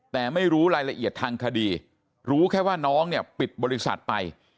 แต่ไม่รู้รายละเอียดทางคดีรู้แค่ว่าน้องเนี่ยปิดบริษัทไป